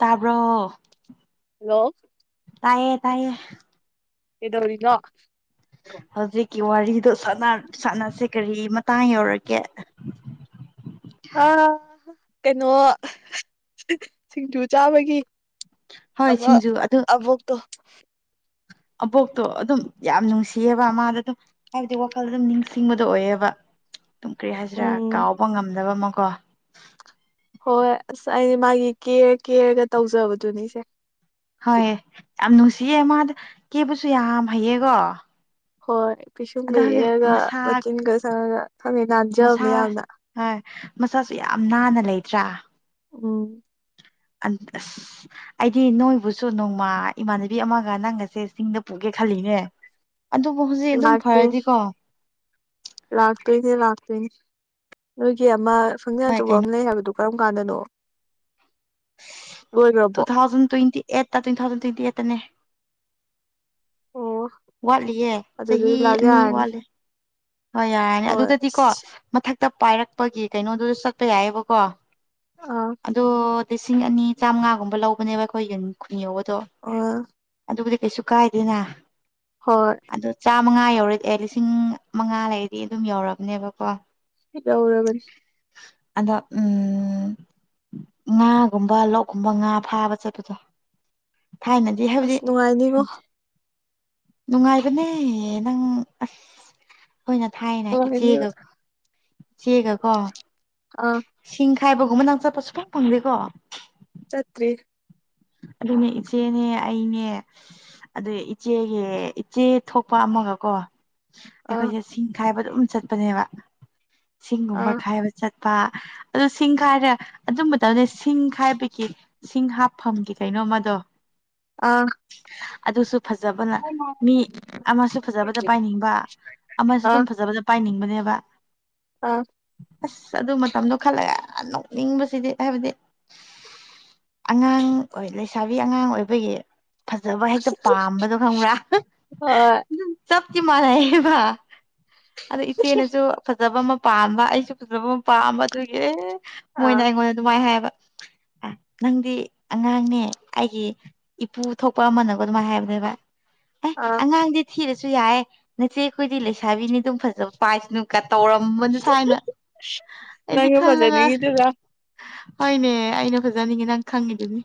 ꯇꯥꯕ꯭ꯔꯣ ꯍꯜꯂꯣ ꯇꯥꯏꯌꯦ ꯇꯥꯏꯌꯦ ꯀꯩꯗꯧꯔꯤꯅꯣ ꯍꯧꯖꯤꯛꯀꯤ ꯋꯥꯔꯤꯗꯣ ꯁꯥꯟꯅꯔ ꯁꯥꯟꯅꯁꯦ ꯀꯔꯤ ꯃꯇꯥꯡ ꯌꯧꯔꯒꯦ [unintelligible] ꯀꯩꯅꯣ ꯁꯤꯡꯖꯨ ꯆꯥꯕꯒꯤ ꯍꯣꯏ ꯑꯃꯥ ꯁꯤꯡꯖꯨ ꯑꯗꯨ ꯑꯕꯣꯛꯇꯣ ꯑꯕꯣꯛꯇꯣ ꯑꯗꯨꯝ ꯌꯥꯝ ꯅꯨꯡꯁꯤꯌꯦꯕ ꯃꯥꯗ ꯑꯗꯨꯝ ꯍꯥꯏꯕꯗꯤ ꯋꯥꯈꯜꯗ ꯑꯗꯨꯝ ꯅꯤꯡꯁꯤꯡꯕꯗꯣ ꯑꯣꯏꯌꯦꯕ ꯇꯨꯝ ꯀ꯭ꯔꯤ ꯍꯥꯏꯁꯤꯔꯥ ꯎꯝ ꯀꯥꯎꯕ ꯉꯝꯗꯕ ꯑꯃꯀꯣ ꯍꯣꯏ ꯑꯁ ꯑꯩꯩꯗꯤ ꯃꯥꯒꯤ ꯀꯦꯔꯥ ꯀꯦꯔꯒꯥ ꯇꯧꯖꯕꯗꯨꯅꯤꯁꯦ ꯍꯣꯏ ꯌꯥꯝ ꯅꯨꯡꯁꯤꯌꯦ ꯃꯥꯗꯨ ꯀꯦꯕꯁꯨ ꯌꯥꯝ ꯍꯩꯌꯦꯀꯣ ꯍꯣꯏ ꯄꯤꯁꯨꯝꯒ ꯑꯗꯣ ꯍꯧꯖꯤꯛ ꯌꯦꯛꯑꯒ ꯃꯁꯥ ꯃꯆꯤꯟꯒ ꯁꯪꯉꯒ ꯈꯪꯉꯦ ꯃꯁꯥ ꯅꯥꯟꯖꯕꯅꯦ ꯌꯥꯝꯅ ꯍꯣꯏ ꯃꯁꯥꯁꯨ ꯌꯥꯝ ꯅꯥꯟꯅ ꯂꯩꯇ꯭ꯔꯥ ꯎꯝ ꯑꯁ ꯑꯩꯗꯤ ꯅꯣꯏꯕꯨꯁꯨ ꯅꯣꯡꯃ ꯏꯃꯥꯟꯅꯕꯤ ꯑꯃꯒ ꯅꯪꯒꯁꯦ ꯆꯤꯡꯗ ꯄꯨꯒꯦ ꯈꯜꯂꯤꯌꯦ ꯑꯗꯨꯕꯨ ꯍꯧꯖꯤꯛ ꯑꯗꯨꯝ ꯂꯥꯛꯇꯣꯏ ꯐꯔꯗꯤꯀꯣ ꯂꯥꯛꯇꯣꯏꯅꯦ ꯂꯥꯛꯇꯣꯏꯅꯦ ꯅꯣꯏꯒꯤ ꯑꯃ ꯐꯪꯁꯟ ꯍꯣꯏ ꯀꯩꯅꯣ ꯑꯆꯧꯕꯝ ꯂꯩ ꯍꯥꯏꯕꯗꯨ ꯀꯔꯝ ꯀꯥꯟꯗꯅꯣ ꯇꯨ ꯂꯣꯏꯒ꯭ꯔꯕꯣ ꯊꯥꯎꯖꯟ ꯇ꯭ꯋꯦꯟꯇꯤ ꯑꯩꯠꯇ ꯇꯨ ꯊꯥꯎꯖꯟ ꯇ꯭ꯋꯦꯟꯇꯤ ꯑꯩꯠꯇꯅꯦ ꯑꯣ ꯋꯥꯠꯂꯤꯌꯦ ꯑꯗꯨꯗꯤ ꯆꯍꯤ ꯂꯥꯛ ꯑꯅꯤ ꯌꯥꯔꯅꯤ ꯋꯥꯠꯂꯤ ꯍꯣꯏ ꯌꯥꯔꯦ ꯍꯣꯏ ꯑꯗꯨꯗꯗꯤꯀꯣ ꯑꯁ ꯃꯊꯛꯇ ꯄꯥꯏꯔꯛꯄꯒꯤ ꯀꯩꯅꯣꯗꯨꯗ ꯆꯠꯄ ꯌꯥꯏꯑꯦꯕꯀꯣ ꯑꯥ ꯑꯗꯣ ꯂꯤꯁꯤꯡ ꯑꯅꯤ ꯆꯥꯝꯉꯥꯒꯨꯝꯕ ꯂꯧꯕꯅꯦꯕ ꯑꯩꯈꯣꯏꯒꯤ ꯈꯨꯟ ꯌꯧꯕꯗꯣ ꯑꯥ ꯑꯗꯨꯕꯨꯗꯤ ꯀꯩꯁꯨ ꯀꯥꯏꯗꯦꯅ ꯍꯣꯏ ꯑꯗꯨ ꯆꯥꯝꯃꯉꯥ ꯌꯧꯔꯗꯤ ꯑꯦ ꯂꯤꯁꯤꯡ ꯃꯉꯥ ꯂꯩꯔꯗꯤ ꯑꯗꯨꯝ ꯌꯧꯔꯕꯅꯦꯕꯀꯣ ꯗꯧꯔꯕꯅꯤ ꯑꯗꯣ ꯎꯝ ꯉꯥꯒꯨꯝꯕ ꯂꯣꯛꯀꯨꯝꯕ ꯉꯥ ꯐꯥꯕ ꯆꯠꯄꯗꯣ ꯊꯥꯏꯅ ꯗꯤ ꯍꯥꯏꯕꯗꯤ ꯑꯁ ꯅꯨꯡꯉꯥꯏꯅꯤꯉꯣ ꯅꯨꯡꯉꯥꯏꯕꯅꯦ ꯅꯪ [unintelligible] ꯈꯣꯏꯅ ꯊꯥꯏꯅ ꯅꯨꯡꯉꯥꯏꯅꯤꯉꯣ ꯏꯆꯦꯒ ꯏꯆꯦꯒ ꯀꯣ ꯑꯥ ꯁꯤꯡ ꯈꯥꯏꯕꯒꯨꯝꯕ ꯅꯪ ꯆꯠꯄ ꯁꯨꯐꯪ ꯐꯪꯗꯦꯀꯣ ꯆꯠꯇ꯭ꯔꯤ ꯑꯗꯨꯅꯦ ꯏꯆꯦꯅꯦ ꯑꯩꯅꯦ ꯑꯗꯩꯩ ꯏꯆꯦꯒꯤ ꯏꯆꯦ ꯊꯣꯛꯄ ꯑꯃꯒꯀꯣ ꯑꯥ ꯑꯩꯈꯣꯏꯁꯦ ꯁꯤꯡ ꯈꯥꯏꯕ ꯑꯗꯨꯝ ꯆꯠꯄꯅꯦꯕ ꯁꯤꯡꯒꯨꯝꯕ ꯑꯥ ꯈꯥꯏꯕ ꯆꯠꯄ ꯑꯗꯨ ꯁꯤꯡ ꯈꯥꯏꯔꯦ ꯑꯗꯨꯝ [unintelligible] ꯁꯤꯡ ꯈꯥꯏꯕꯒꯤ ꯁꯤꯡ ꯍꯥꯞ ꯐꯝꯒꯤ ꯀꯩꯅꯣꯃꯗꯣ ꯑꯥ ꯑꯗꯨꯁꯨ ꯐꯖꯕꯅ ꯑꯥ ꯃꯤ ꯑꯃꯁꯨ ꯐꯖꯕꯗ ꯄꯥꯏꯅꯤꯡꯕ ꯑꯃꯁꯨ ꯑꯗꯨꯝ ꯐꯖꯕꯗ ꯄꯥꯏꯅꯤꯡꯕꯅꯦꯕ꯫ ꯑꯥ꯫ ꯑꯁ ꯑꯗꯨ ꯃꯇꯝꯗꯣ ꯈꯜꯂꯒ ꯅꯣꯛꯅꯤꯡꯕꯁꯤꯗꯤ ꯍꯥꯏꯕꯗꯤ꯫ ꯑꯉꯥꯡ ꯑꯣꯏ ꯂꯩꯁꯥꯕꯤ ꯑꯉꯥꯡ ꯑꯣꯏꯕꯒꯤ꯫ ꯐꯖꯕ ꯍꯦꯛꯇ ꯄꯥꯝꯕꯗꯣ ꯈꯪꯕ꯭ꯔꯥ ꯍꯣꯏ ꯫ ꯆꯞꯇꯤ ꯃꯥꯟꯅꯩꯌꯦꯕ ꯑꯗꯨ ꯏꯆꯦꯅꯁꯨ꯫ ꯐꯖꯕ ꯑꯃ ꯄꯥꯝꯕ ꯑꯩꯁꯨ ꯐꯖꯕ ꯑꯃ ꯄꯥꯝꯕ ꯑꯗꯨꯒꯤ ꯑꯥ ꯃꯣꯏꯅ ꯑꯩꯉꯣꯟꯗ ꯗꯨꯃꯥꯏ ꯍꯥꯏꯌꯦꯕ ꯑꯥ ꯅꯪꯗꯤ ꯑꯉꯥꯡꯅꯦ ꯑꯩꯒꯤ ꯏꯄꯨ ꯊꯣꯛꯄ ꯑꯃꯅꯕ ꯑꯗꯨꯃꯥꯏꯅ ꯍꯥꯏꯕꯅꯦꯕ꯫ ꯑꯦ ꯑꯥ ꯑꯉꯥꯡꯗꯤ ꯊꯤꯔꯁꯨ ꯌꯥꯏꯌꯦ ꯅꯆꯦ ꯈꯣꯏꯗꯤ ꯂꯩꯁꯥꯕꯤꯅꯤ ꯑꯗꯨꯝ ꯐꯖꯕ ꯄꯥꯏꯁꯅꯨꯀ ꯇꯧꯔꯝꯕꯅꯤ ꯊꯥꯏꯅ ꯑꯩꯗꯤ ꯅꯪꯒ ꯈꯜꯂꯒ ꯐꯖꯅꯤꯡꯉꯤꯗꯨꯔꯥ ꯍꯣꯏꯅꯦ ꯑꯩꯅ ꯐꯖꯅꯤꯡꯉꯤ ꯅꯪ ꯈꯪꯉꯤꯗꯨꯅꯤ꯫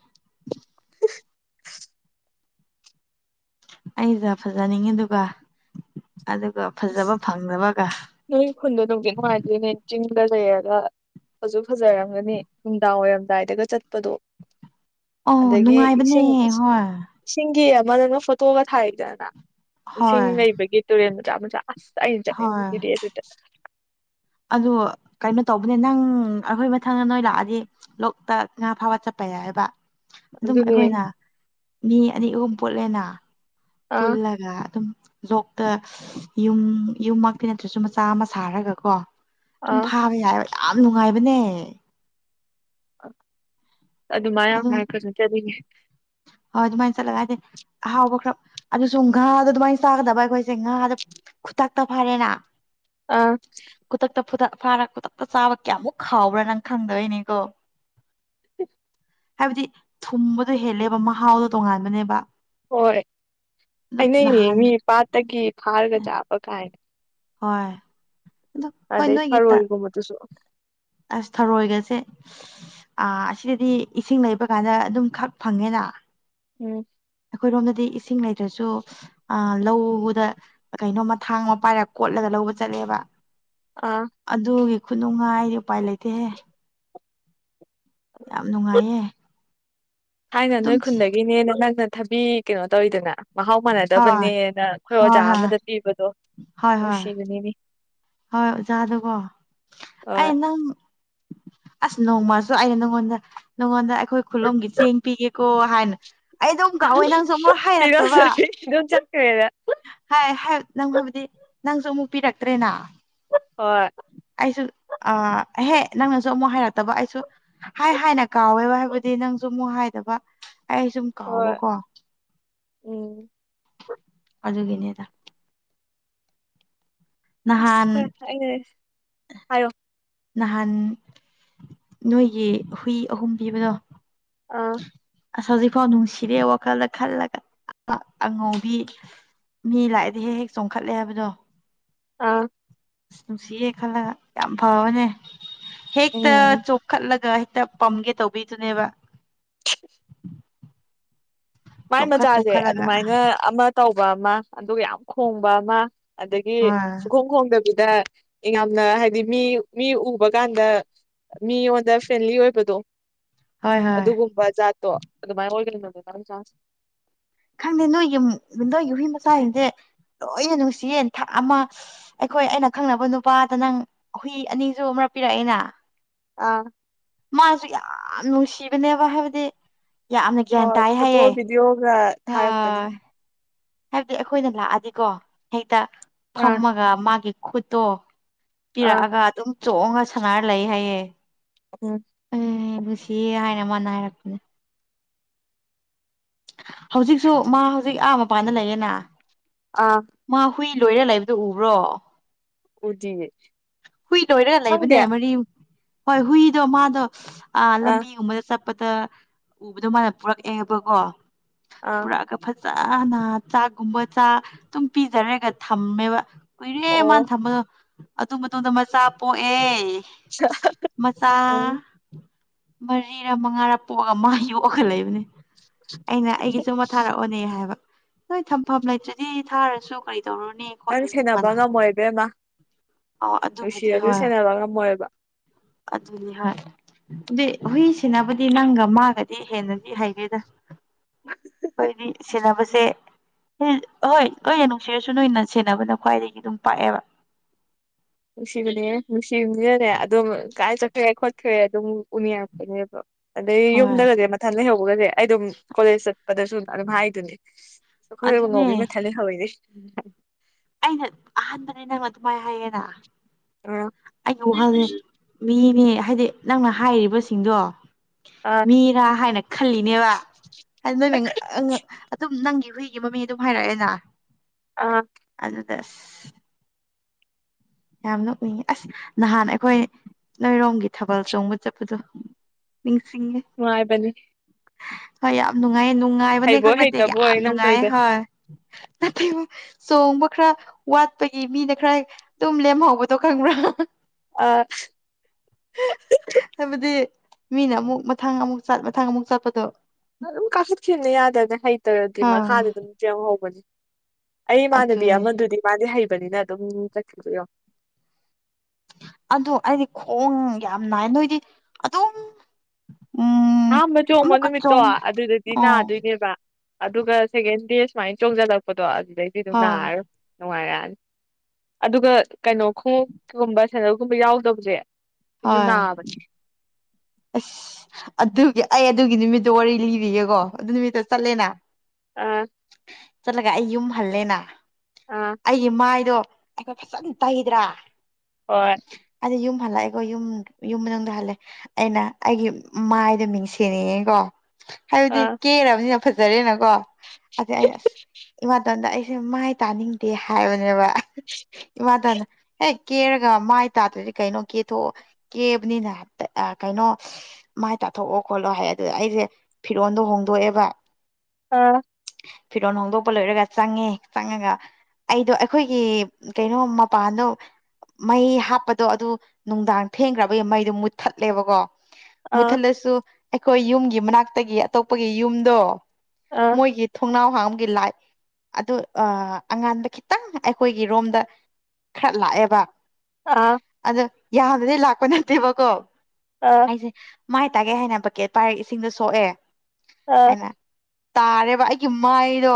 [inaudible] ꯑꯩꯅ ꯐꯖꯅꯤꯡꯉꯤꯗꯨꯒ ꯑꯗꯨꯒ ꯑꯁ ꯐꯖꯕ ꯐꯪꯗꯕꯒ ꯅꯣꯏ ꯈꯨꯟꯗꯣ ꯅꯨꯡꯗꯤ ꯅꯨꯡꯉꯥꯏꯗꯣꯏꯅꯦ ꯆꯤꯡꯗ ꯂꯩꯩꯔꯒ꯫ ꯐꯖꯁꯨ ꯐꯖꯔꯝꯒꯅꯤ ꯅꯨꯡꯗꯥꯡ ꯋꯥꯏꯔꯝꯗꯥꯏꯗꯒ ꯆꯠꯄꯗꯣ꯫ ꯑꯣ ꯑꯗꯒꯤ ꯅꯨꯡꯉꯥꯏꯕꯅꯦ ꯏꯁꯤꯡ ꯍꯣꯏ꯫ ꯏꯁꯤꯡꯒꯤ ꯑꯃ ꯅꯪꯅ ꯐꯣꯇꯣꯒ ꯊꯥꯔꯛꯏꯗꯅ ꯍꯣꯏ ꯏꯁꯤꯡ ꯂꯩꯕꯒꯤ ꯇꯨꯔꯦꯜ ꯃꯆꯥ ꯃꯆꯥ ꯑꯁ ꯑꯩꯅ ꯍꯣꯏ ꯆꯠꯅꯤꯡꯕꯁꯤꯗꯤ ꯑꯗꯨꯗ ꯑꯗꯨ ꯀꯩꯅꯣ ꯇꯧꯕꯅꯦ ꯅꯪ ꯑꯩꯈꯣꯏ ꯃꯊꯪꯗ ꯅꯣꯏ ꯂꯥꯛꯑꯗꯤ ꯂꯣꯛꯇꯥꯛ ꯉꯥ ꯐꯥꯕ ꯆꯠꯄ ꯌꯥꯏꯌꯦꯕ꯫ ꯑꯗꯨꯝ ꯑꯗꯨꯅꯦ ꯑꯩꯈꯣꯏꯅ ꯃꯤ ꯑꯅꯤ ꯑꯍꯨꯝ ꯄꯣꯠꯂꯦꯅ꯫ ꯑꯥ ꯄꯨꯜꯂꯒ ꯑꯗꯨꯝ ꯂꯣꯛꯇ ꯌꯨꯝ ꯌꯨꯝꯃꯛꯇꯤ ꯅꯠꯇ꯭ꯔꯁꯨ ꯃꯆꯥ ꯑꯃ ꯁꯥꯔꯒ ꯀꯣ꯫ ꯑꯗꯨꯝ ꯑꯥ ꯐꯥꯕ ꯌꯥꯏꯑꯕ ꯌꯥꯝ ꯅꯨꯡꯉꯥꯏꯕꯅꯦ꯫ ꯑꯗꯨ ꯃꯥꯏ ꯌꯥꯝ ꯍꯥꯏꯔꯛꯀꯅꯨ ꯆꯠꯅꯤꯡꯉꯦ꯫ ꯍꯣ ꯑꯗꯨ ꯃꯥꯏ ꯆꯂꯒꯥꯍꯥꯏꯗꯤ꯫ ꯑꯍꯥꯎꯕ ꯈꯔ ꯑꯗꯨ ꯁꯨꯝ ꯉꯥꯗꯣ ꯑꯗꯨꯃꯥꯏꯅ ꯆꯥꯒꯗꯕ ꯑꯩꯈꯣꯏꯁꯦ ꯉꯥꯗ ꯈꯨ ꯊꯥꯛꯇ ꯐꯔꯦꯅ ꯑꯥ꯫ ꯈꯨꯗꯛꯇ ꯈꯨꯗꯛꯇ ꯐꯥꯔ ꯈꯨꯗꯛꯇ ꯆꯥꯕ ꯀꯌꯥꯃꯨꯛ ꯈꯥꯎꯕ꯭ꯔꯥ ꯅꯪ ꯈꯪꯗꯕꯩꯏꯅꯤꯀꯣ [unintelligible] ꯍꯥꯏꯕꯗꯤ ꯊꯨꯝꯕꯗꯣ ꯍꯦꯜꯂꯦꯕ ꯃꯍꯥꯎꯗꯣ ꯇꯣꯉꯥꯟꯕꯅꯦꯕ꯫ ꯍꯣꯏ ꯑꯗꯨꯝ ꯍꯥꯏꯅꯩꯌꯦ ꯅꯍꯥꯟ ꯃꯤ ꯄꯥꯠꯇꯒꯤ ꯐꯥꯔꯒ ꯆꯥꯕ ꯀꯥꯏꯅ ꯍꯣꯏ꯫ ꯑꯗꯣ ꯍꯣꯏ ꯑꯗꯩ ꯅꯣꯏꯒꯤ ꯇ ꯊꯔꯣꯒꯨꯝꯃꯗꯨꯁꯨ ꯑꯁ ꯊꯔꯣꯏꯒꯁꯦ ꯑ ꯑꯁꯤꯗꯗꯤ ꯏꯁꯤꯡ ꯂꯩꯕ ꯀꯥꯟꯗ ꯑꯗꯨꯝ ꯈꯛ ꯐꯪꯉꯦꯅ꯫ ꯎꯝ ꯫ ꯑꯩꯈꯣꯏꯔꯣꯝꯗꯗꯤ ꯏꯁꯤꯡ ꯂꯩꯇ꯭ꯔꯁꯨ ꯑ ꯂꯧꯗ ꯀꯩꯅꯣꯝꯃ ꯊꯥꯡ ꯑꯃ ꯄꯥꯏꯔꯒ ꯀꯣꯠꯂꯒ ꯂꯧꯕ ꯆꯠꯂꯦꯕ꯫ ꯑꯥ꯫ ꯑꯗꯨꯒꯤ ꯈꯨꯅꯨꯡꯉꯥꯏꯗꯤ ꯎꯄꯥꯏ ꯂꯩꯇꯦꯍꯦ꯫ ꯌꯥꯝ ꯅꯨꯡꯉꯥꯏꯌꯦ꯫ ꯊꯥꯏꯅ ꯅꯣꯏ ꯑꯗꯨꯝ ꯈꯨꯟꯗꯒꯤꯅꯦꯅꯦ ꯅꯪꯅ ꯊꯕꯤ ꯀꯩꯅꯣ ꯇꯧꯏꯗꯅ ꯃꯍꯥꯎ ꯍꯣꯏ ꯃꯥꯟꯅꯗꯕꯅꯦꯅ ꯑꯩꯈꯣꯏ ꯑꯣꯖꯥ ꯍꯣꯏ ꯍꯣꯏ ꯑꯃꯗ ꯄꯤꯕꯗꯣ꯫ ꯍꯣꯏ ꯍꯣꯏ ꯅꯨꯡꯁꯤꯕꯅꯤꯅꯦ ꯍꯣꯏ ꯑꯣꯖꯥꯗꯀꯣ ꯑꯩ ꯍꯣꯏ ꯅꯪ ꯑꯁ ꯅꯣꯡꯃꯁꯨ ꯑꯩꯅ ꯅꯪꯉꯣꯟꯗ ꯅꯪꯉꯣꯟꯗ ꯑꯩꯈꯣꯏ ꯈꯨꯂꯣꯝꯒꯤ ꯆꯦꯡ ꯄꯤꯒꯦꯀꯣ ꯍꯥꯏꯅ ꯑꯩ ꯑꯗꯨꯝ ꯀꯥꯎꯋꯦ ꯅꯪꯁꯨ ꯑꯃꯨꯛ ꯍꯥꯏꯔꯛꯇꯕ ꯗꯨꯝ [unintelligible] ꯆꯠꯀ꯭ꯔꯦꯗ ꯍꯥꯏ ꯍꯥꯏ ꯅꯪ ꯍꯥꯏꯕꯗꯤ ꯅꯪꯁꯨ ꯑꯃꯨꯛ ꯄꯤꯔꯛꯇ꯭ꯔꯦꯅ ꯍꯣꯏ ꯑꯩꯁꯨ ꯑꯍꯦ ꯅꯪꯅꯁꯨ ꯑꯃꯨꯛ ꯍꯥꯏꯔꯛꯇꯕ ꯑꯩꯁꯨ ꯍꯥꯏ ꯍꯥꯏꯅ ꯀꯥꯎꯋꯦꯕ ꯍꯥꯏꯕꯗꯤ ꯅꯪꯁꯨ ꯑꯃꯨꯛ ꯍꯥꯏꯗꯕ ꯑꯩ ꯁꯨꯝ ꯍꯣꯏ ꯀꯥꯎꯕꯀꯣ ꯎꯝ ꯑꯗꯨꯒꯤꯅꯦꯗ ꯅꯍꯥꯟ ꯑꯁ [unintelligible] ꯍꯥꯏꯌꯣ ꯅꯥꯍꯟ ꯅꯣꯏꯒꯤ ꯍꯨꯏ ꯑꯍꯨꯝ ꯄꯤꯕꯗꯣ ꯑꯥ ꯑꯁ ꯍꯧꯖꯤꯛꯐꯥꯎ ꯅꯨꯡꯁꯤꯔꯦ ꯋꯥꯈꯜꯗ ꯈꯜꯂꯒ ꯑꯉꯧꯕꯤ ꯃꯤ ꯂꯥꯛꯑꯗꯤ ꯍꯦꯛ ꯍꯦꯛ ꯆꯣꯡꯈꯠꯂꯦ ꯍꯥꯏꯕꯗꯣ ꯑꯥ ꯑꯁ ꯅꯨꯡꯁꯤꯌꯦ ꯈꯜꯂꯒ ꯌꯥꯝ ꯐꯕꯅꯦ ꯍꯦꯛꯇ ꯎꯝ ꯆꯣꯈꯠꯂꯒ ꯍꯦꯛꯇ ꯄꯝꯒꯦ ꯇꯧꯕꯤꯗꯨꯅꯦꯕ [inaudible] ꯃꯥꯏ ꯆꯣꯡꯈꯠ ꯃꯆꯥꯁꯦ ꯆꯣꯡꯈꯠꯂꯒ ꯑꯗꯨꯃꯥꯏꯅ ꯑꯃ ꯇꯧꯕ ꯑꯃ ꯑꯗꯨꯒ ꯌꯥꯝ ꯈꯣꯡꯕ ꯑꯃ ꯑꯗꯒꯤ ꯍꯣꯏ ꯁꯨꯈꯣꯡ ꯍꯣꯡꯗꯕꯤꯗ ꯌꯥꯝꯅ ꯍꯥꯏꯗꯤ ꯃꯤ ꯃꯤ ꯎꯕ ꯀꯥꯟꯗ ꯃꯤꯉꯣꯟꯗ ꯐ꯭ꯔꯦꯟꯂꯤ ꯑꯣꯏꯕꯗꯣ ꯍꯣꯏ ꯍꯣꯏ ꯑꯗꯨꯒꯨꯝꯕ ꯖꯥꯠꯇꯣ ꯑꯗꯨꯃꯥꯏꯅ ꯑꯣꯏꯒꯅꯤ ꯃ ꯆ [unintelligible] ꯈꯪꯗꯦ ꯅꯣꯏ ꯌꯨꯝ ꯗꯣꯏ ꯌꯨꯏ ꯃꯆꯥꯁꯤꯡꯁꯦ ꯂꯣꯏꯅ ꯅꯨꯡꯁꯤꯌꯦ ꯊꯥꯛ ꯑꯃ ꯑꯩꯈꯣꯏ ꯑꯩꯅ ꯈꯪꯅꯕ ꯅꯨꯄꯥꯗ ꯅꯪ ꯍꯨꯏ ꯑꯅꯤꯁꯨ ꯑꯃꯔꯛ ꯄꯤꯔꯛꯑꯦꯅ ꯑꯥ ꯃꯥꯁꯨ ꯌꯥꯝ ꯅꯨꯡꯁꯤꯕꯅꯦꯕ ꯍꯥꯏꯕꯗꯤ ꯍꯣꯏ ꯐꯣꯇꯣ ꯕꯤꯗꯤꯑꯣꯒ꯭ꯔꯛ ꯍ ꯍꯥꯏꯞꯗꯤ ꯑꯩꯈꯣꯏꯅ ꯂꯥꯛꯑꯗꯤꯀꯣ ꯍꯦꯛꯇ ꯑꯥ ꯐꯝꯃꯒ ꯃꯥꯒꯤ ꯈꯨꯠꯇꯣ ꯑꯥ ꯄꯤꯔꯛꯑꯒ ꯑꯗꯨꯝ ꯆꯣꯡꯉ ꯁꯥꯟꯅꯔ ꯂꯩ ꯍꯥꯏꯌꯦ ꯎꯝ [inaudible] ꯑꯦ ꯁꯤ [unintelligible] ꯍꯥꯏꯅ ꯃꯥꯅ ꯍꯥꯏꯔꯛꯄꯅꯦ ꯍꯧꯖꯤꯛꯁꯨ ꯃꯥ ꯍꯧꯖꯤꯛ ꯑꯥ ꯃꯄꯥꯟꯗ ꯂꯩꯌꯦꯅ ꯑꯥ ꯃꯥ ꯍꯨꯏ ꯂꯣꯏꯔ ꯂꯩꯕꯗꯣ ꯎꯕ꯭ꯔꯣ ꯎꯗꯤꯌꯦ ꯍꯨꯏ ꯂꯣꯏꯔ ꯂꯩꯕꯅꯦ ꯈꯪꯗꯦ ꯑꯥ ꯃꯔꯤꯝ ꯍꯣꯏ ꯍꯨꯏꯗꯣ ꯃꯥꯗꯣ ꯑꯥ ꯂꯝꯕꯤꯒꯨꯝꯕꯗ ꯆꯞ ꯄꯗ ꯎꯕꯗꯣ ꯃꯥꯅ ꯄꯨꯔꯛꯑꯦꯕꯀꯣ ꯑꯥ ꯄꯨꯔꯛꯑꯒ ꯐꯖꯅ ꯆꯥꯛꯒꯨꯝꯕ ꯆꯥ ꯇꯨꯝ ꯄꯤꯖꯔꯒ ꯊꯝꯃꯦꯕ ꯀꯨꯏꯔꯦ ꯃꯥꯅ ꯑꯣ ꯊꯝꯕꯗꯣ ꯑꯗꯨ ꯃꯇꯨꯡꯗ ꯃꯆꯥ ꯄꯣꯛꯑꯦ ꯃꯆꯥꯥ ꯎꯝ ꯃꯔꯤꯔ ꯃꯉꯥꯔꯥ ꯄꯣꯛꯑꯒ ꯃꯥ ꯌꯣꯛꯑꯒ ꯂꯩꯕꯅꯦ ꯑꯩꯅ ꯑꯩꯒꯤꯁꯨ ꯑꯃ ꯊꯥꯔꯛꯑꯣꯅꯦ ꯍꯥꯢꯕ ꯍꯣꯢ ꯊꯝꯐꯝ ꯂꯩꯇ꯭ꯔꯗꯤ ꯊꯥꯔꯁꯨ ꯀꯔꯤ ꯇꯧꯔꯨꯅꯤ ꯅꯪ ꯈꯣꯠꯂꯨꯅꯤ ꯁꯦꯟꯅꯕ ꯃꯥꯅ ꯍꯥꯏ ꯉꯝꯃꯣꯢ ꯏꯕꯦꯝꯃ ꯑꯣ ꯑꯗꯨꯕꯨꯗꯤ ꯅꯨꯡꯁꯤꯔꯁꯨ ꯍꯣꯏ ꯁꯦꯟꯅꯕ ꯉꯝꯃꯣꯢꯕ ꯑꯗꯨꯗꯤ ꯍꯥꯢꯔ ꯑꯗꯨ ꯍꯨꯢ ꯁꯦꯟꯅꯕꯗꯤ ꯅꯪꯒ ꯃꯥꯒꯗꯤ ꯍꯦꯟꯅꯗꯤ ꯍꯩꯒꯦꯗ ꯑꯩꯈꯣꯢꯗꯤ ꯁꯦꯟꯅꯕꯁꯦ ꯎꯝ ꯑꯍꯣꯢ ꯑꯩꯅ ꯅꯨꯡꯁꯤꯔꯁꯨ ꯅꯣꯢꯅ ꯁꯦꯟꯅꯕꯅ ꯈ꯭ꯋꯥꯢꯗꯒꯤ ꯑꯗꯨꯝ ꯄꯥꯛꯑꯦꯕ ꯅꯨꯡꯁꯤꯕꯅꯦ ꯅꯨꯡꯁꯤꯕꯤꯅꯅꯦ ꯑꯗꯨꯝ ꯀꯥꯢ ꯆꯠꯈ꯭ꯔꯦ ꯈꯣꯠꯈ꯭ꯔꯦ ꯑꯗꯨꯝ ꯎꯅꯤꯡꯉꯛꯄꯅꯦꯕ ꯑꯗꯩ ꯍꯣꯏ ꯌꯨꯝꯗꯒꯁꯦ ꯃꯊꯟ ꯂꯩꯍꯧꯕꯒꯁꯦ ꯑꯩ ꯑꯗꯨꯝ ꯀꯣꯂꯦꯖ ꯆꯠꯄꯗꯁꯨ ꯑꯗꯨꯝ ꯍꯥꯢꯗꯨꯅꯦ ꯑꯩꯈꯣꯢ ꯑꯗꯨꯅꯦ ꯉꯧꯕꯤ ꯃꯊꯜ ꯂꯩꯍꯧꯋꯦꯅꯦ ꯑꯩꯅ ꯑꯍꯥꯟꯕꯅꯤ ꯅꯪ ꯑꯗꯨꯃꯥꯢꯅ ꯍꯥꯢꯌꯦꯅ ꯑꯥ ꯑꯩꯒꯤ ꯋꯥꯈꯜꯁꯦ ꯃꯤꯅꯦ ꯍꯥꯢꯗꯤ ꯅꯪꯅ ꯍꯥꯢꯔꯤꯕꯁꯤꯡꯗꯣ ꯑꯥ ꯃꯤꯔꯥ ꯍꯥꯢꯅ ꯈꯜꯂꯤꯅꯦꯕ [unintelligible] ꯑꯗꯨꯝ ꯅꯪꯒꯤ ꯍꯨꯢꯒꯤ ꯃꯃꯤ ꯑꯗꯨꯝ ꯍꯥꯢꯔꯛꯑꯦꯅ ꯑꯥ ꯑꯗꯨꯗ ꯑꯁ ꯌꯥꯝ ꯅ ꯎꯅꯤꯡꯉꯤ ꯑꯁ ꯅꯍꯥꯟ ꯑꯩꯈꯣꯢ ꯅꯣꯢꯔꯣꯝꯒꯤ ꯊꯥꯕꯜ ꯆꯣꯡꯕ ꯆꯠꯄꯗꯣ ꯅꯤꯡꯁꯤꯡꯉꯦ ꯅꯨꯉꯥꯢꯕꯅꯤ ꯍꯣꯢ ꯌꯥꯝ ꯅꯨꯡꯉꯥꯢꯌꯦ ꯅꯨꯡꯉꯥꯢꯕꯅꯦ ꯍꯩꯕꯣꯏ ꯈꯛ ꯅꯠꯇꯦ ꯌꯥꯝ ꯍꯩꯇꯕꯣꯏ ꯅꯪ ꯅꯨꯡꯉꯥꯢ ꯇꯧꯏꯗꯣ ꯍꯣꯢ ꯅꯠꯇꯕ ꯆꯣꯡꯕ ꯈꯔ ꯋꯥꯠꯄꯒꯤ ꯃꯤꯅ ꯈꯔ ꯇꯨꯝ ꯂꯦꯝꯍꯧꯕꯗꯣ ꯈꯪꯕ꯭ꯔꯥ ꯑ ꯍꯥꯢꯕꯗꯤ ꯃꯤꯅ ꯑꯃꯨꯛ ꯃꯊꯪ ꯑꯃꯨꯛ ꯃꯊꯥꯡ ꯑꯃꯨꯛ ꯆꯠꯄꯗꯣ ꯑꯗꯨꯝ ꯀꯥꯈꯠꯈꯤꯕꯦꯅ ꯌꯥꯗꯅ ꯍꯩꯇ꯭ꯔꯗꯤ ꯑꯥ ꯃꯈꯥꯗ ꯑꯗꯨꯝ ꯌꯦꯡꯍꯧꯕꯅꯦ ꯑꯩ ꯏꯃꯥꯟꯅꯕꯤ ꯑꯗꯨꯅꯦ ꯑꯃꯗꯨꯗꯤ ꯃꯥꯗꯤ ꯍꯩꯕꯅꯤꯅ ꯑꯗꯨꯝ ꯆꯠꯈꯤꯕꯗꯣ ꯌꯦꯡꯉꯣ ꯑꯗꯨ ꯑꯩꯗꯤ ꯈꯣꯡ ꯌꯥꯝ ꯅꯥꯢ ꯅꯣꯢꯗꯤ ꯑꯗꯨꯝ ꯎꯝ ꯑꯍꯥꯟꯕ ꯆꯣꯡꯕ ꯑꯃꯨꯛꯀ ꯅꯨꯃꯤꯠꯇꯣ ꯆꯣꯡ ꯑꯗꯨꯗꯗꯤ ꯑꯥ ꯅꯥꯗꯣꯢꯅꯦꯕ ꯑꯗꯨꯒ ꯁꯦꯀꯦꯟ ꯗꯦ ꯁꯨꯃꯥꯢꯅ ꯆꯣꯡꯖꯜꯂꯛꯄꯗꯣ ꯑꯗꯨꯗꯩꯗꯤ ꯑꯗꯨꯝ ꯍꯣꯏ ꯅꯥꯔꯔꯣꯢ ꯅꯨꯡꯉꯥꯢꯔꯛꯑꯅꯤ ꯑꯗꯨꯒ ꯀꯩꯅꯣ ꯈꯣꯡꯎꯞꯒꯨꯝꯕ ꯁꯦꯗꯜꯒꯨꯝꯕ ꯌꯥꯎꯗꯕꯁꯦ ꯁꯤꯁꯨ ꯍꯣꯏ ꯅꯥꯕꯅꯦ ꯑꯁ ꯑꯗꯨꯒꯤ ꯑꯩ ꯑꯗꯨꯒꯤ ꯅꯨꯃꯤꯠꯇꯣ ꯋꯥꯔꯤ ꯂꯤꯔꯤꯒꯦꯀꯣ ꯑꯗꯨ ꯅꯨꯃꯤꯠꯇ ꯇꯠꯂꯦꯅ ꯑꯥ ꯆꯠꯂꯒ ꯑꯩ ꯌꯨꯝ ꯍꯜꯂꯦꯅ ꯑꯥ ꯑꯩꯒꯤ ꯃꯥꯢꯗꯣ ꯑꯩꯈꯣꯢ ꯐꯖꯟ ꯇꯩꯗ꯭ꯔꯥ ꯍꯣꯢ ꯑꯗꯨ ꯌꯨꯝ ꯍꯜꯂꯛꯑꯦꯀꯣ ꯌꯨꯝ ꯌꯨꯝ ꯃꯅꯨꯡꯗ ꯍꯜꯂꯦ ꯑꯩꯅ ꯑꯩꯒꯤ ꯃꯥꯢꯗ ꯃꯤꯡꯁꯦꯟ ꯌꯦꯡꯉꯦꯀꯣ ꯍꯥꯢꯕꯗꯤ ꯑꯥ ꯀꯦꯔꯃꯤꯅꯤ ꯐꯖꯔꯦꯅ ꯀꯣ ꯑ ꯑꯩꯅ ꯑꯁ ꯏꯃꯥꯇꯣꯟꯗ ꯑꯩꯁꯦ ꯃꯥꯢ ꯇꯥꯅꯤꯡꯗꯦ ꯍꯥꯢꯕꯅꯦꯕ ꯏꯃꯇꯣꯟꯅ ꯍꯦꯛ ꯀꯦꯔꯒ ꯃꯢ ꯇꯥꯗ꯭ꯔꯗꯤ ꯀꯩꯅꯣ ꯀꯦꯊꯣꯛ ꯀꯦꯕꯅꯤꯅ ꯍꯥꯢꯐꯦꯠ ꯀꯩꯅꯣ ꯃꯥꯢ ꯇꯥꯊꯣꯛꯑꯣ ꯈꯣꯠꯂꯣ ꯍꯥꯢ ꯑꯗꯨ ꯑꯩꯖꯦ ꯐꯤꯔꯣꯟꯗꯣ ꯍꯣꯡꯗꯣꯛꯑꯦꯕ ꯑꯥ ꯐꯤꯔꯣꯜ ꯍꯣꯡꯗꯣꯛꯄ ꯂꯣꯢꯔꯒ ꯆꯪꯉꯦ ꯆꯪꯉꯒ ꯑꯩꯗꯣ ꯑꯩꯈꯣꯢꯒꯤ ꯀꯩꯅꯣ ꯃꯄꯥꯟꯗꯣ ꯃꯩ ꯍꯥꯞꯄꯗꯣ ꯑꯗꯨ ꯅꯨꯡꯗꯥꯡ ꯊꯦꯡꯈ꯭ꯔꯕꯒꯤ ꯃꯩꯗꯣ ꯃꯨꯠ ꯊꯠꯂꯦꯕꯀꯣ ꯑꯥ ꯃꯨꯊꯠꯂꯁꯨ ꯑꯩꯈꯣꯏ ꯌꯨꯝꯒꯤ ꯃꯅꯥꯛꯇꯒꯤ ꯑꯇꯣꯞꯄꯒꯤ ꯌꯨꯝꯗꯣ ꯑꯥ ꯃꯣꯏꯒꯤ ꯊꯣꯡꯅꯥꯎ ꯍꯥꯡꯕꯒꯤ ꯂꯥꯏꯠ ꯑꯗꯨ ꯑ ꯑꯉꯥꯟꯕ ꯈꯤꯇꯪ ꯑꯩꯈꯣꯏꯒꯤ ꯔꯣꯝꯗ ꯈꯔ ꯂꯥꯛꯑꯦꯕ ꯑꯥ ꯑꯗ ꯌꯝꯅꯗꯤ ꯂꯥꯛꯄꯥ ꯅꯠꯇꯦꯕꯀꯣ ꯑꯥ ꯖꯤ ꯃꯥꯏ ꯇꯥꯒꯦ ꯍꯥꯏꯅ ꯕꯀꯦꯠ ꯄꯥꯏꯔꯒ ꯏꯁꯤꯡꯗꯣ ꯁꯣꯛꯑꯦ ꯑꯥ ꯑꯥ ꯑꯩꯅ ꯇꯥꯔꯦꯕ ꯑꯩꯒꯤ ꯃꯥꯏꯗꯣ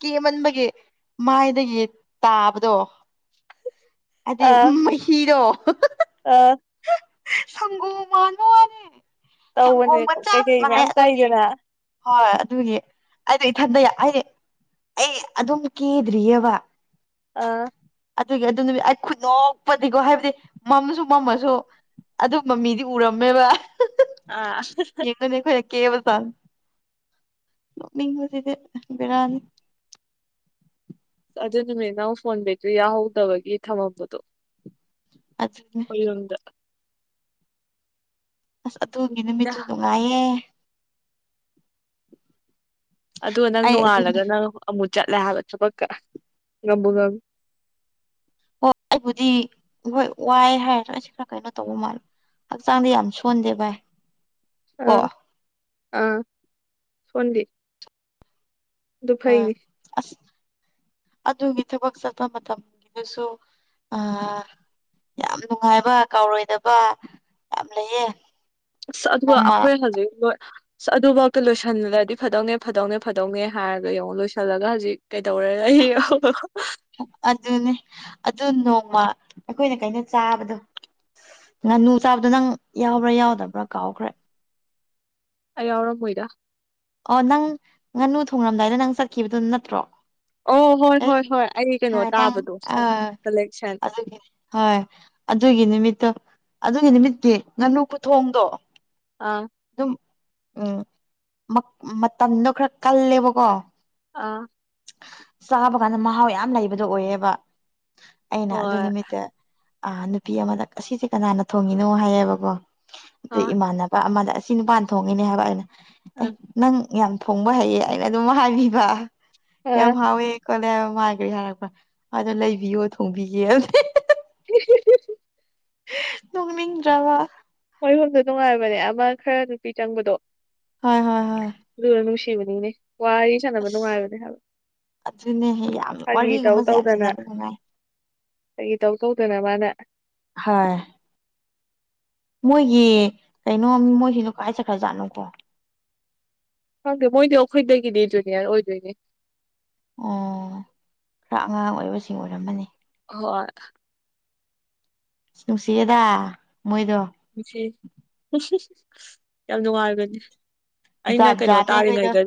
ꯀꯦꯃꯟꯕꯒꯤ ꯃꯥꯏꯗꯒꯤ ꯇꯥꯕꯗꯣ ꯑꯗꯨꯏ ꯃꯍꯤꯗꯣ ꯑ ꯁꯪꯒꯣꯝ ꯃꯥꯟꯕ ꯋꯥꯅꯦ ꯇꯧꯕꯅꯦ ꯁꯪꯒꯣꯝꯒ ꯆꯞ ꯀꯩꯀꯩ ꯃꯅꯩ ꯃꯌꯥꯝ ꯑꯗꯨꯒꯤ ꯇꯥꯏꯗꯅ ꯍꯣꯏ ꯑꯗꯨꯒꯤ ꯑꯩꯗꯣ ꯏꯊꯟꯗ ꯌꯥꯏ ꯍꯥꯏꯗꯤ ꯑꯩ ꯑꯗꯨꯝ ꯀꯦꯗ꯭ꯔꯤꯌꯦꯕ ꯑ ꯑꯗꯨꯒꯤ ꯑꯗꯨ ꯅꯨꯃꯤꯠ ꯑꯩ ꯈꯨꯠ ꯅꯣꯛꯄꯗꯤꯀꯣ ꯍꯥꯏꯕꯗꯤ ꯃꯝꯁꯨ ꯃꯝꯃꯁꯨ ꯑꯗꯨꯝꯕ ꯃꯤꯗꯤ ꯎꯔꯝꯃꯦꯕ ꯑꯥ ꯌꯦꯡꯉꯅꯤ ꯑꯩꯈꯣꯏꯅ ꯀꯦꯕ ꯆꯥꯡ ꯅꯣꯛꯅꯤꯡꯕꯁꯤꯗꯤ ꯑꯦ ꯕꯦꯔꯥꯅꯤ ꯑꯗꯨ ꯅꯨꯃꯤꯠ ꯑꯃ ꯐꯣꯟ ꯕꯦꯇ꯭ꯔꯤ ꯌꯥꯎꯗꯕꯒꯤ ꯊꯝꯃꯝꯕꯗꯣ꯫ ꯑꯗꯨ ꯑꯩꯈꯣꯏ ꯌꯨꯝꯗ ꯑꯁ ꯑꯗꯨꯒꯤ ꯅꯨꯃꯤꯠꯇꯣ ꯅꯨꯡꯉꯥꯏꯌꯦ꯫ ꯑꯗꯨꯒ ꯅꯪ ꯑꯩ ꯑꯗꯨꯅ ꯅꯣꯡꯉꯥꯜꯂꯒ ꯅꯪ ꯑꯃꯨꯛ ꯆꯠꯂꯦ ꯍꯥꯏꯕ ꯊꯕꯛꯀ ꯉꯝꯕꯨ ꯉꯝ ꯍꯣꯏ ꯑꯩꯕꯨꯗꯤ ꯍꯣꯏ ꯋꯥꯏ ꯍꯥꯏꯔ ꯑꯩꯁꯦ ꯈꯔ ꯀꯩꯅꯣ ꯇꯧꯕ ꯃꯥꯜꯂꯦ꯫ ꯍꯛꯆꯥꯡꯗꯤ ꯌꯥꯝ ꯁꯣꯟꯗꯦ ꯚꯥꯏ ꯀꯣ ꯑꯥ-ꯑꯥ ꯁꯣꯟꯗꯦ ꯍꯣꯏ ꯑꯁ ꯑꯗꯨꯒꯤ ꯊꯕꯛ ꯆꯠꯄ ꯃꯇꯝꯒꯤꯗꯁꯨ ꯑꯥ ꯌꯥꯝ ꯅꯨꯡꯉꯥꯏꯕ ꯀꯥꯎꯔꯣꯏꯗꯕ ꯌꯥꯝ ꯂꯩꯌꯦ꯫ ꯑꯁ ꯑꯗꯨꯒ ꯅꯣꯡꯃ ꯑꯩꯈꯣꯏ ꯍꯧꯖꯤꯛ ꯂꯣꯏ ꯑꯁ ꯑꯗꯨꯐꯥꯎꯗ ꯂꯣꯏꯁꯤꯜꯂꯗꯤ ꯐꯗꯧꯅꯦ ꯐꯗꯧꯅꯦ ꯐꯗꯧꯅꯦ ꯍꯥꯏꯔꯒ ꯌꯦꯡꯉꯣ ꯂꯣꯏꯁꯤꯜꯂꯒ ꯍꯧꯖꯤꯛ ꯀꯩꯗꯧꯔ ꯂꯩ ꯑꯗꯨꯅꯦ ꯑꯗꯨ ꯅꯣꯡꯃ ꯑꯩꯈꯣꯏꯅ ꯀꯩꯅꯣ ꯆꯥꯕꯗꯣ ꯉꯥꯅꯨ ꯆꯥꯕꯗꯣ ꯅꯪ ꯌꯥꯎꯕ꯭ꯔꯥ ꯌꯥꯎꯗꯕ꯭ꯔꯥ ꯀꯥꯎꯈ꯭ꯔꯦ꯫ ꯑꯩ ꯌꯥꯎꯔꯝꯃꯣꯏꯗ ꯑꯣ ꯅꯪ ꯉꯥꯅꯨ ꯊꯣꯡꯔꯝꯗꯥꯏꯗ ꯅꯪ ꯆꯠꯈꯤꯕꯗꯣ ꯅꯠꯇ꯭ꯔꯣ ꯑꯣ ꯍꯣꯏ ꯑꯦ ꯍꯣꯏ ꯍꯣꯏ ꯑꯩ ꯀꯩꯅꯣ ꯍꯣꯏ ꯅꯪ ꯇꯥꯕꯗꯣ ꯑꯥ ꯀꯥꯂꯦꯛꯁꯟ ꯑꯗꯨꯒꯤ ꯍꯣꯏ ꯑꯗꯨꯒꯤ ꯅꯨꯃꯤꯠꯇꯣ ꯑꯗꯨꯒꯤ ꯅꯨꯃꯤꯠꯇꯤ ꯉꯥꯅꯨ ꯈꯨꯊꯣꯡꯗꯣ ꯑ ꯑꯗꯨꯝ ꯑ ꯃꯞ ꯃꯇꯝꯗꯣ ꯈꯔ ꯀꯜꯂꯦꯕꯀꯣ ꯑꯥ ꯆꯥꯕ ꯀꯥꯟꯗ ꯃꯍꯥꯎ ꯌꯥꯝ ꯂꯩꯕꯗꯣ ꯑꯣꯏꯌꯦꯕ꯫ ꯑꯩꯅ ꯑꯗꯨ ꯍꯣꯏ ꯅꯨꯃꯤꯠꯇ ꯑ ꯅꯨꯄꯤ ꯑꯃꯗ ꯑꯁꯤꯁꯦ ꯀꯅꯥꯅ ꯊꯣꯡꯉꯤꯅꯣ ꯍꯥꯢꯌꯦꯕꯀꯣ ꯑꯥ ꯑꯗꯩ ꯏꯃꯥꯟꯅꯕ ꯑꯃꯗ ꯑꯁꯤ ꯅꯨꯄꯥꯅ ꯊꯣꯡꯉꯤꯅꯦ ꯍꯥꯏꯕ ꯑꯩꯅ ꯑꯦ ꯑ ꯅꯪ ꯌꯥꯝ ꯊꯣꯡꯕ ꯍꯩꯌꯦ ꯑꯩꯅ ꯑꯗꯨꯝ ꯍꯥꯏꯕꯤꯕ ꯑꯥ ꯌꯥꯝ ꯍꯥꯎꯋꯦ ꯀꯣꯂꯦ ꯍꯋꯥꯏꯒ ꯌꯥꯔꯛꯄ ꯑꯗꯣ ꯂꯩꯕꯤꯌꯣ ꯊꯣꯡꯕꯤꯒꯦ [unintelligible] [unintelligible] ꯅꯣꯛꯅꯤꯡꯗ꯭ꯔꯥꯕ ꯃꯣꯏ ꯍꯨꯝꯗꯣ ꯅꯨꯉꯥꯏꯕꯅꯦ ꯑꯃ ꯈꯔ ꯅꯨꯄꯤ ꯆꯪꯕꯗꯣ ꯍꯣꯏ ꯍꯣꯏ ꯍꯣꯏ ꯂꯨꯔꯒ ꯅꯨꯡꯁꯤꯕꯅꯤꯅꯦ ꯋꯥꯏꯠ ꯑꯁ ꯁꯥꯟꯅꯕ ꯅꯨꯡꯉꯥꯏꯕꯅꯦ ꯍꯥꯏꯕ ꯑꯗꯨꯅꯦ ꯌꯥꯝ ꯐꯥꯒꯤ ꯇꯧ ꯋꯥꯔꯤꯒꯨꯝꯕꯁꯦ ꯌꯥꯝ ꯇꯧꯗꯅ ꯁꯥꯟꯅꯕ ꯅꯨꯡꯉꯥꯏ ꯐꯒꯤ ꯇꯧ ꯇꯧꯗꯅ ꯃꯥꯅ ꯍꯣꯏ ꯃꯣꯏꯒꯤ ꯀꯩꯅꯣ ꯃꯣꯏ ꯁꯤꯅꯣ ꯀꯥꯏ ꯆꯠꯈ꯭ꯔꯖꯥꯠꯅꯣꯀꯣ ꯈꯪꯗꯦ ꯃꯣꯏꯗꯤ ꯑꯈꯣꯏꯗꯒꯤꯗꯤ ꯖꯨꯅꯤꯌꯔ ꯑꯣꯏꯗꯣꯏꯅꯦ ꯑꯣ ꯈ꯭ꯔꯥ ꯑꯉꯥꯡ ꯑꯣꯏꯕꯁꯤꯡ ꯑꯣꯏꯔꯝꯃꯅꯤ꯫ ꯍꯣꯏ ꯑ ꯅꯨꯡꯁꯤꯌꯦꯗ ꯃꯣꯏꯗꯣ ꯅꯨꯡꯁꯤ [unintelligible] ꯌꯥꯝ ꯅꯨꯡꯉꯥꯏꯕꯅꯦ ꯑꯩꯅ ꯖꯥꯠ ꯀꯩꯅꯣ ꯖꯥꯠꯅꯦ ꯑꯩꯈꯣꯏꯗꯣ ꯇꯥꯔꯤꯉꯩꯗ